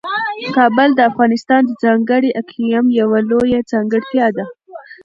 کابل د افغانستان د ځانګړي اقلیم یوه لویه ځانګړتیا ده.